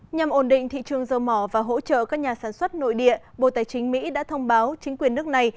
nhằm ổn định thị trường dầu mỏ và hỗ trợ các nhà sản xuất nội địa bộ tài chính mỹ đã thông báo chính quyền nước này